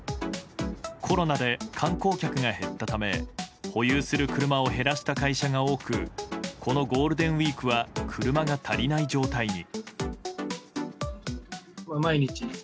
コロナで観光客が減ったため保有する車を減らした会社が多くこのゴールデンウィークは車が足りない状態に。